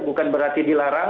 bukan berarti dilarang